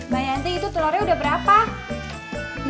sama air mineral